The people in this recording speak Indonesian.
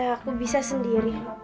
aku bisa sendiri